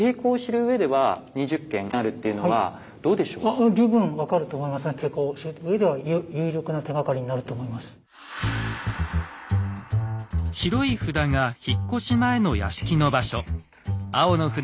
あれですかね白い札が引っ越し前の屋敷の場所。